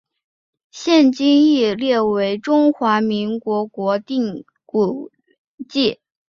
现今亦列为中华民国国定古迹。